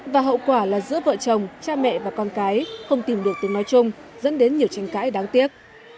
và hậu quả là giữa vợ chồng cha mẹ và con cái không tìm được từng nói chung dẫn đến nhiều tranh cãi đáng tiếc